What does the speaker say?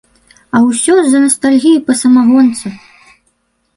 А ўсё з-за настальгіі па самагонцы!